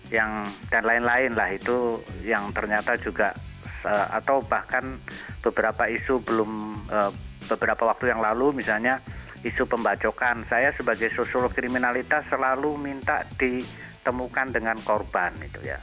yang dan lain lain lah itu yang ternyata juga atau bahkan beberapa isu belum beberapa waktu yang lalu misalnya isu pembacokan saya sebagai sosiolog kriminalitas selalu minta ditemukan dengan korban